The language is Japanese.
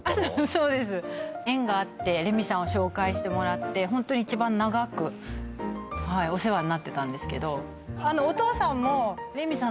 そうです縁があってレミさんを紹介してもらってホントに一番長くお世話になってたんですけどそうなの！？